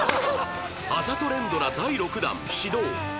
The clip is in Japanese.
あざと連ドラ第６弾始動